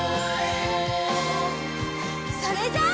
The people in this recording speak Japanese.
それじゃあ。